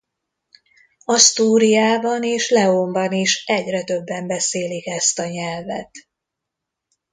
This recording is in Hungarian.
Asztúriában és Leónban is egyre többen beszélik ezt a nyelvet.